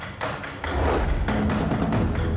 trans suara wanita